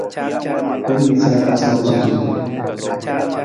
Hin noosanoosa na noosunonosutu.